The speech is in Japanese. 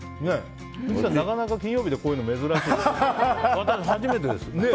なかなか金曜日でこういうの珍しいですね。